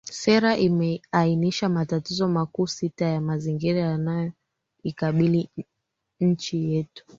Sera imeainisha matatizo makuu sita ya mazingira yanayoikabili nchi yetu